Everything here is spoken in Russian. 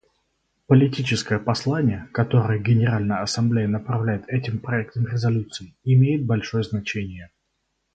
Политическое послание, которое Генеральная Ассамблея направляет этим проектом резолюции, имеет большое значение.